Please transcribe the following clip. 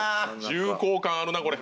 重厚感あるなこれ。